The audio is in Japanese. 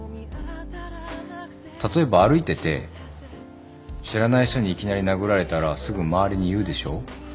例えば歩いてて知らない人にいきなり殴られたらすぐ周りに言うでしょう？